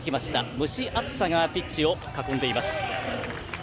蒸し暑さがピッチを囲んでいます。